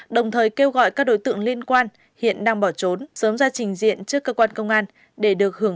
đồng thời kêu gọi các đối tượng liên quan hiện đang bỏ trốn sớm ra trình diện trước cơ quan công an để được hưởng